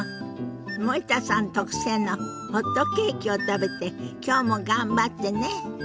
森田さん特製のホットケーキを食べてきょうも頑張ってね。